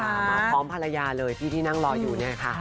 มาพร้อมภรรยาเลยพี่ที่นั่งรออยู่เนี่ยค่ะ